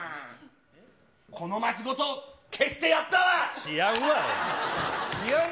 この街ごと消してやったわ。